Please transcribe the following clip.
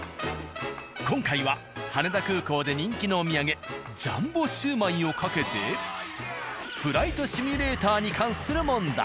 今回は羽田空港で人気のお土産ジャンボ焼売をかけてフライトシミュレーターに関する問題。